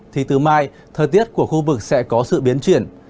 thì từ mai thời tiết của khu vực sẽ có sự biến chuyển